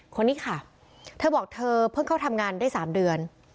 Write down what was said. คนนี้ค่ะเธอบอกเธอเพิ่งเข้าทำงานได้๓เดือน